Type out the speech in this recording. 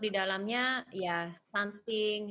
di dalamnya ya stunting